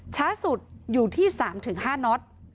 ช้าสุดอยู่ที่๓๕น็อต